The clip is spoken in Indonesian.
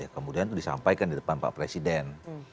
kemudian itu disampaikan di depan pak presiden